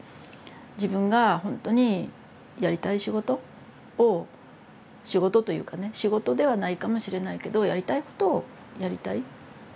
自分がほんとにやりたい仕事を仕事というかね仕事ではないかもしれないけどやりたいことをやりたい。